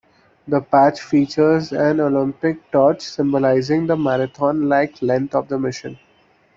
The patch features an Olympic torch, symbolizing the marathon-like length of the mission.